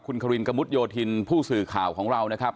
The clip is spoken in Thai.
คุณควินกระมุดโยธินผู้สื่อข่าวของเรานะครับ